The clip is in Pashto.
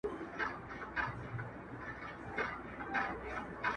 • تا د جنگ لويه فلـسفه ماتــه كــړه.